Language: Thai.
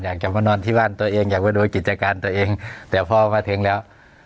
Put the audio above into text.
อยากจะดูกิจการตัวเองพอมาถึงแล้ว